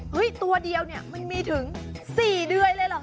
ตัวเดียวเนี่ยมันมีถึง๔เดือนเลยเหรอ